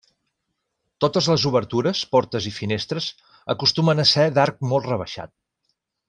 Totes les obertures, portes i finestres, acostumen a ser d'arc molt rebaixat.